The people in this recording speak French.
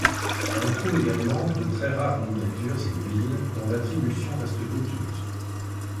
On trouve également de très rares miniatures et huiles dont l'attribuation reste douteuse.